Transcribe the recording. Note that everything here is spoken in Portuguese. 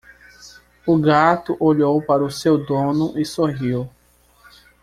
O gato olhou para o seu dono e sorriu.